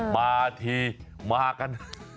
มาทีมากัน